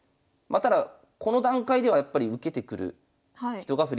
ただこの段階ではやっぱり受けてくる人が振り